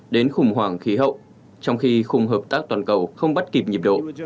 đến khủng hoảng khí hậu trong khi khung hợp tác toàn cầu không bắt kịp nhịp độ